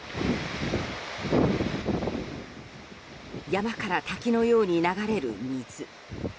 山から滝のように流れる水。